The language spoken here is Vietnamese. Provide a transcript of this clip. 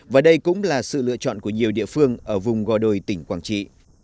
và đây cũng là sự lựa chọn của nhiều địa phương ở vùng gò đồi tỉnh quảng trị